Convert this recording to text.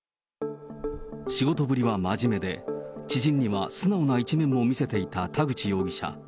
仕事ぶりは真面目で知人には、素直な一面も見せていた田口容疑者。